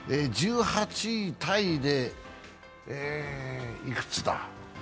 １８位タイでいくつだ？